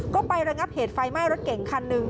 ก็ไประงับเหตุไฟไหม้รถเก่งคันหนึ่ง